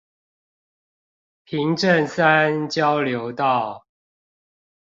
平鎮三交流道